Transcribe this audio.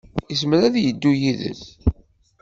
Yezmer ad yeddu yid-s.